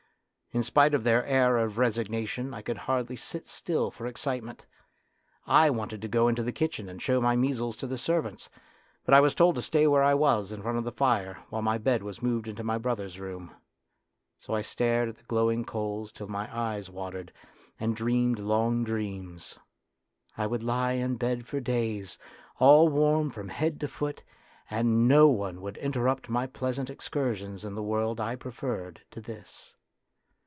In spite of their air of resignation I could hardly sit still for excitement. I wanted to go into the kitchen and show my measles to the servants, but I was told to stay where I was in front of the fire while my bed was moved into my brother's room. So I stared at the glowing coals till my eyes watered, and dreamed long dreams. I would lie in bed for days, all warm from head to foot, and no one would interrupt my pleasant excursions in the world I preferred to this.